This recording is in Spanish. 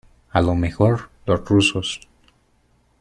a lo mejor los rusos